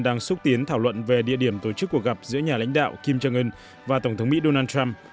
đang xúc tiến thảo luận về địa điểm tổ chức cuộc gặp giữa nhà lãnh đạo kim jong un và tổng thống mỹ donald trump